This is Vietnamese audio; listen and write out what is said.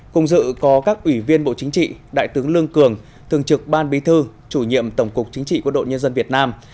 cùng dự có các ủy viên bộ chính trị đại tướng lương cường thường trực ban bí thư chủ nhiệm tổng cục chính trị quân đội nhân dân việt nam